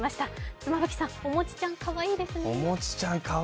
妻夫木さん、おもちちゃん、かわいいですね。